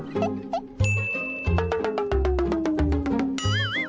แล้วเป็นคู่แข่งเรื่องไหนล่ะจ๊ะ